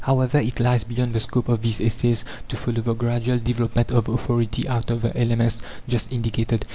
However, it lies beyond the scope of these essays to follow the gradual development of authority out of the elements just indicated.